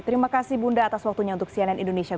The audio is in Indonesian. terima kasih bunda atas waktunya untuk cnn indonesia